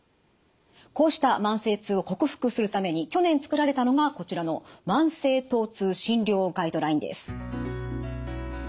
こうした慢性痛を克服するために去年作られたのがこちらの「慢性疼痛診療ガイドライン」です。